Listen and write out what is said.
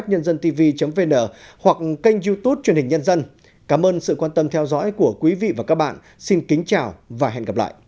đăng ký kênh để ủng hộ kênh của chúng mình nhé